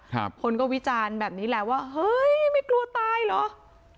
คนก็วิจารณ์แบบนี้แหละว่าเฮ้ยไม่กลัวตายเหรอ